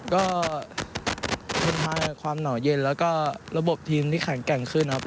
ก็ทนทานความหนาวเย็นแล้วก็ระบบทีมที่แข็งแกร่งขึ้นครับ